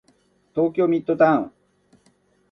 東京ミッドタウン